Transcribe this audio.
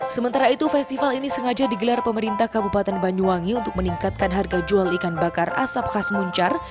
sementara itu festival ini sengaja digelar pemerintah kabupaten banyuwangi untuk meningkatkan harga jual ikan bakar asap khas muncar